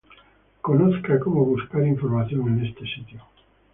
Conozca cómo buscar información en este sitio.